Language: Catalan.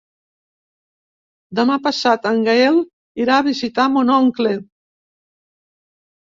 Demà passat en Gaël irà a visitar mon oncle.